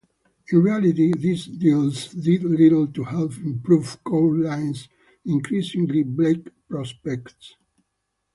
In reality, these deals did little to help improve Court Line's increasingly bleak prospects.